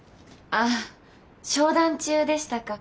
ああ商談中でしたか。